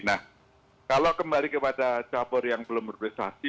nah kalau kembali kepada cabur yang belum berprestasi